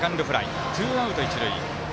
ツーアウト、一塁。